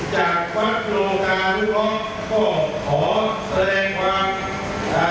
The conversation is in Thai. จากตลาดโลการุพร้อมเขาขอแสดงความความ